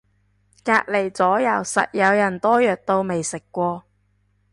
隔離咗右實有人多藥到未食過